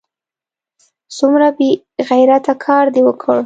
څومره بې غیرته کار دې وکړ!